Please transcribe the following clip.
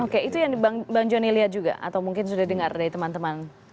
oke itu yang bang joni lihat juga atau mungkin sudah dengar dari teman teman